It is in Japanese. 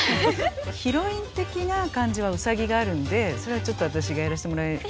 ヒロイン的な感じはウサギがあるんでそれはちょっと私がやらしてもらえると。